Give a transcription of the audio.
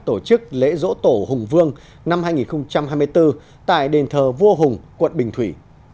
tổ chức lễ dỗ tổ hùng vương năm hai nghìn hai mươi bốn tại đền thờ vua hùng quận bình thủy